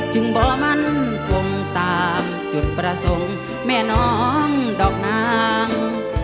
บ่มั่นคงตามจุดประสงค์แม่น้องดอกนาง